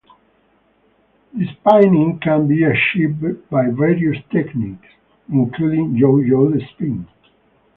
Despinning can be achieved by various techniques, including yo-yo de-spin.